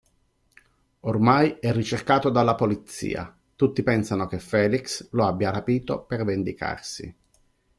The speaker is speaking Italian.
Ormai è ricercato dalla polizia, tutti pensano che Felix lo abbia rapito per vendicarsi.